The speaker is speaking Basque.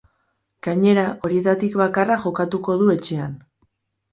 Gainera, horietatik bakarra jokatuko du etxean.